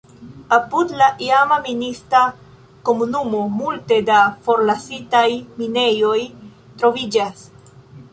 Apud la iama minista komunumo multe da forlasitaj minejoj troviĝas.